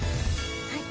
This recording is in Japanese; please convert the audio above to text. はい。